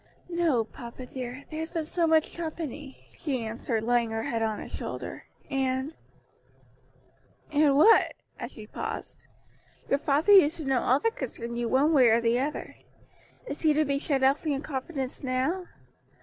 "No, papa dear, there has been so much company," she answered, laying her head on his shoulder. "And " "And what?" as she paused. "Your father used to know all that concerned you one way or the other. Is he to be shut out from your confidence now?